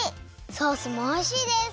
ソースもおいしいです！